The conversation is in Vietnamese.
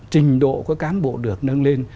trình độ của cán bộ được nâng lên